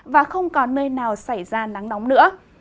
và không còn nơi nào xảy ra nắng nóng nữa